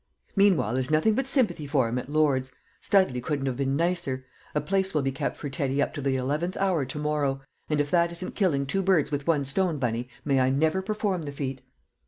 Meanwhile, there's nothing but sympathy for him at Lord's. Studley couldn't have been nicer; a place will be kept for Teddy up to the eleventh hour to morrow. And if that isn't killing two birds with one stone, Bunny, may I never perform the feat!"